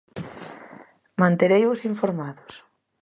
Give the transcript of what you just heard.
Mantereivos informados.